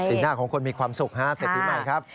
หน้าของคนมีความสุขฮะเศรษฐีใหม่ครับ